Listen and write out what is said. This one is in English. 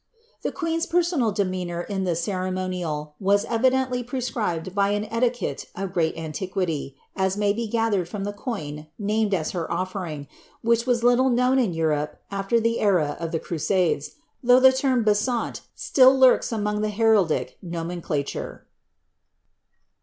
The queen's personal demeanour in this ceremonial was evii!< prct^cribed by an eiiquelte of great antiquity, as may be ffa' iiird! the coin named as her olloring. which was little known in Europe the era of the Crusades, though the term bc:ant still lurLs ai heriddic nomenclature.